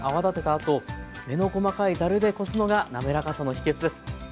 あと目の細かいざるでこすのがなめらかさの秘けつです。